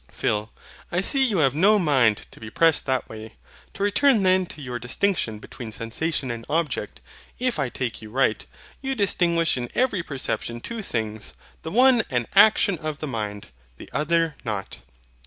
PHIL. I see you have no mind to be pressed that way. To return then to your distinction between SENSATION and OBJECT; if I take you right, you distinguish in every perception two things, the one an action of the mind, the other not.